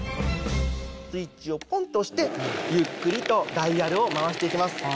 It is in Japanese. スイッチをポンと押してゆっくりとダイヤルを回して行きます。